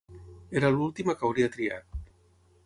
Era l'última que hauria triat.